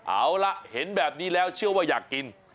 เอาล่ะเห็นแบบนี้แล้วเชื่อว่าอยากกิน